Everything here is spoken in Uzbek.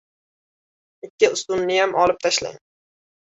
Ikkita ustunniyam olib tashlang.